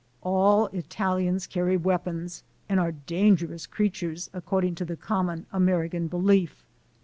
All Italians carry weapons and are dangerous creatures, according to the common American belief.